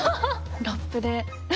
ラップで。